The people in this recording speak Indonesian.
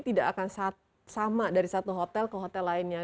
tidak akan sama dari satu hotel ke hotel lainnya